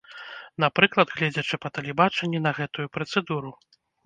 Напрыклад, гледзячы па тэлебачанні на гэтую працэдуру.